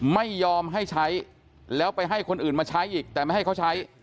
ไม่ยอมให้ใช้แล้วไปให้คนอื่นมาใช้อีกแต่ไม่ให้เขาใช้